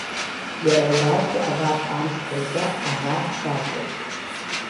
Иара убасгьы абарҭ амшқәа рзы аӷа дхьацоуп…